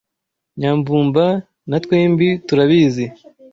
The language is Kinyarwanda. Nyamvumba na twembi turabizi.